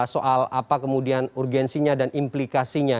soal apa kemudian urgensinya dan implikasinya